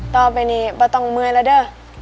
ต่อไปนี้ป้าต้องเมื่อยแล้วเด้อ